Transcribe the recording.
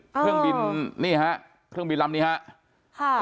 เครื่องบินนี่ฮะเครื่องบินลำนี้ครับ